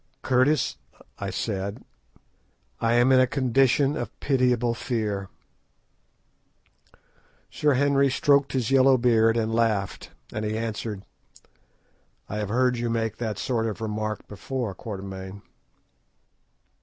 "Curtis," I said, "I am in a condition of pitiable fear." Sir Henry stroked his yellow beard and laughed, as he answered— "I have heard you make that sort of remark before, Quatermain."